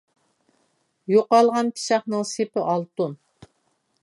يوقالغان پىچاقنىڭ سېپى ئالتۇن.